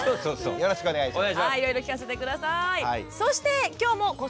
よろしくお願いします